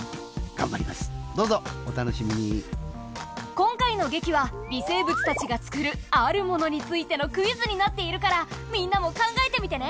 今回の劇は微生物たちが作るあるものについてのクイズになっているからみんなも考えてみてね。